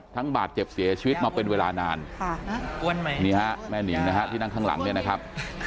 ทั้งบาดเจ็บเส็ยชีวิตมาเป็นเวลานานนี้หรือฮะแม่หนิงที่นั่งข้างหลังนี่นะครับ